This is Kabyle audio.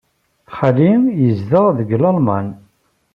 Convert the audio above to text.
Xali yezdeɣ deg Lalman.